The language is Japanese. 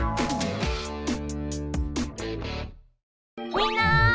みんな！